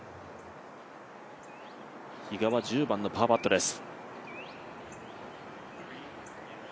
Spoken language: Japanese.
比嘉は１０番のパーパットです。